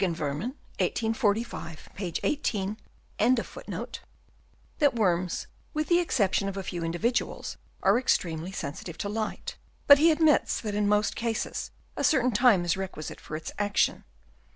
* Hoffmeister, however, states f that worms, with the exception of a few individuals, are extremely sensitive to light ; but he admits that in most cases a certain time is requisite for its action.